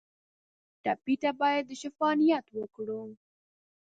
ټپي ته باید د شفا نیت وکړو.